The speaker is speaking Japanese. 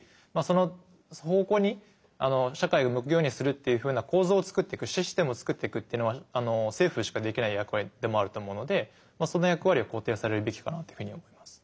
その方向に社会が向くようにするっていうふうな構造をつくっていくシステムをつくっていくっていうのは政府しかできない役割でもあると思うのでその役割を肯定されるべきかなというふうに思います。